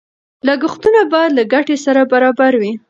لګښتونه باید له ګټې سره برابر وي.